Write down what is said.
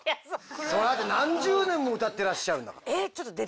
何十年も歌ってらっしゃるんだから。